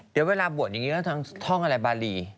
เดี๋ยวเวลาบวชถ้องอะไรบารี